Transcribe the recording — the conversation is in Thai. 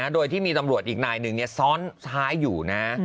โดยที่มีตำรวจอีกนายหนึ่งซ้อนท้ายอยู่นะ